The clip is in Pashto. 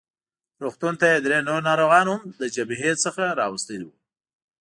روغتون ته یې درې نور ناروغان هم له جبهې راوستلي وو.